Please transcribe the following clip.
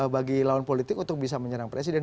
bagi lawan politik untuk bisa menyerang presiden